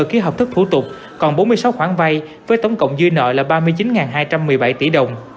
ký hợp thức thủ tục còn bốn mươi sáu khoản vay với tổng cộng dư nợ là ba mươi chín hai trăm một mươi bảy tỷ đồng